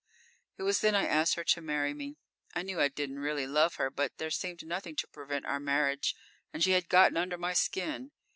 "_ _It was then I asked her to marry me. I knew I didn't really love her, but there seemed nothing to prevent our marriage. And she had gotten under my skin.